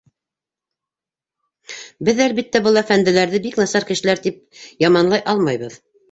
Беҙ, әлбиттә, был әфәнделәрҙе, бик насар кешеләр, тип яманлай алмайбыҙ.